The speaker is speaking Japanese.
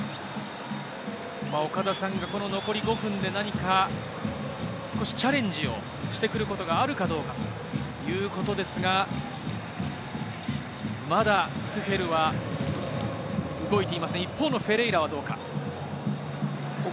岡田さんが残り５分で何か少しチャレンジをしてくることがあるかどうかということですが、まだトゥヘルは動いていません、一方のフェレイラはどうか。